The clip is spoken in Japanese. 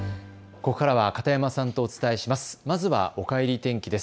ここからは片山さんとお伝えします。